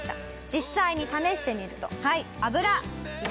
実際に試してみるとはい。